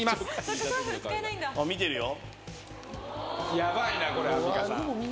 ヤバいなこれアンミカさん。